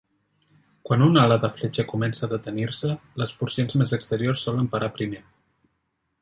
Quan una ala de fletxa comença a detenir-se, les porcions més exteriors solen parar primer.